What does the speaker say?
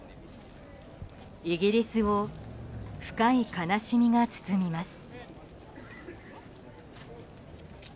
イギリスを深い悲しみが包みます。